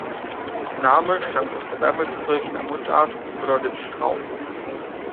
Der Name stammt aus der Wermelskirchener Mundart und bedeutet Strauch.